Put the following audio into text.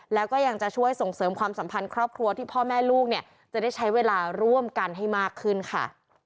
แล้วก็ยังจะช่วยส่งเสริมความสัมพันธ์ครอบครัวที่พ่อแม่ลูกเนี่ยจะได้ใช้เวลาร่วมกันให้มากขึ้นค่ะ